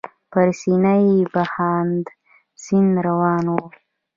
پر سینه یې بهاند سیند روان و.